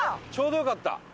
ちょうどよかった。